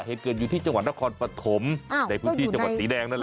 เหตุเกิดอยู่ที่จังหวัดนครปฐมในพื้นที่จังหวัดสีแดงนั่นแหละ